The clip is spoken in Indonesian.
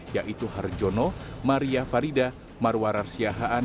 yaitu harjono maria farida marwar arsyahaan